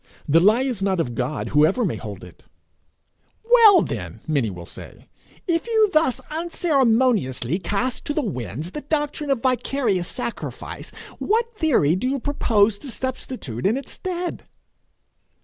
The lie is not of God, whoever may hold it. 'Well, then,' will many say, 'if you thus unceremoniously cast to the winds the doctrine of vicarious sacrifice, what theory do you propose to substitute in its stead?'